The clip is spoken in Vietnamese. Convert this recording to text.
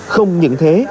không những thế